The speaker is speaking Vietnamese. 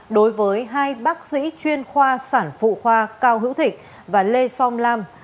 đối với hai bác sĩ chuyên khoa sản phụ khoa cao hữu thịnh và lê som lam